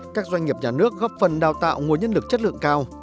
các doanh nghiệp nhà nước góp phần đào tạo nguồn nhân lực chất lượng cao